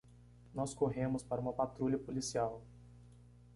Nós corremos para uma patrulha policial.